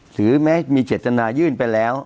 หรือแม้มีเจตนายื่นไปแล้ว